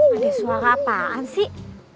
ada suara apaan sih